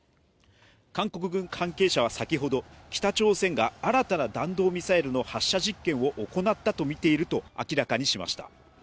韓国軍関係者は先ほど北朝鮮が新たな弾道ミサイルの発射実験を行ったとみていると明らかにしました。